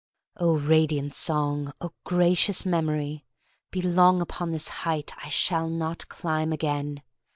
Oh, radiant Song! Oh, gracious Memory! Be long upon this height I shall not climb again!